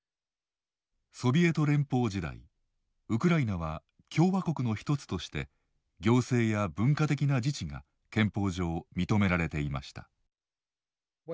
ソビエト連邦時代ウクライナは共和国の一つとして行政や文化的な自治が憲法上認められていました。